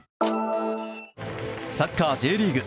サッカーＪリーグ。